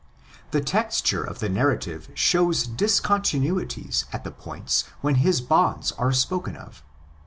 The texture of the narrative shows discon tinuities at the points when his bonds are spoken of.